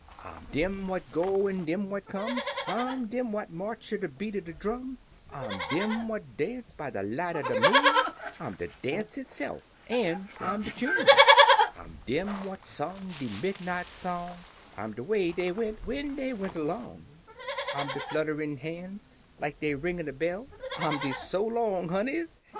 "I'm dem what go an' dem what come; I'm dem what march ter de beat er de drum; I'm dem what dance by de light er de moon; I'm de dance itse'f, an' I'm de chune; I'm dem what sung de midnight song; I'm de way dey went when dey went along; I'm de flutterin' han's (like dey ringin' a bell); I'm de 'So long, honies!